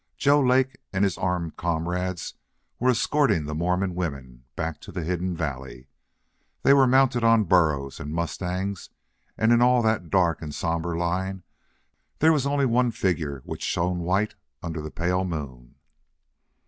Joe Lake and his armed comrades were escorting the Mormon women back to the hidden valley. They were mounted on burros and mustangs, and in all that dark and somber line there was only one figure which shone white under the pale moon.